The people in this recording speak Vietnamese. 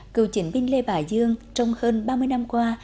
cựu chiến binh lê bả dương trong hơn ba mươi năm qua